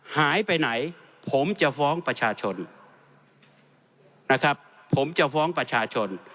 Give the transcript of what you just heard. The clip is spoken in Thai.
หายไปไหนผมจะฟ้องประชาชน